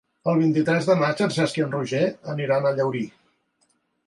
El vint-i-tres de maig en Cesc i en Roger iran a Llaurí.